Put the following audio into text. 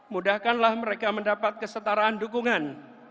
mudahkanlah mereka mendapat kesetaraan dukungan